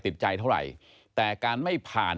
ที่จะเอาข้อมูลที่ดูกันอะไรแล้ว